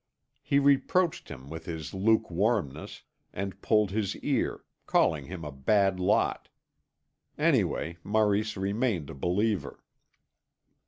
He reproached him with his lukewarmness, and pulled his ear, calling him a bad lot. Anyway, Maurice remained a believer.